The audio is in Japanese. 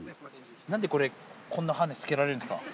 なんでこれ、こんなハーネスつけられるんですか。